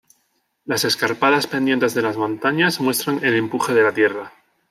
Las escarpadas pendientes de las montañas muestran el empuje de la tierra.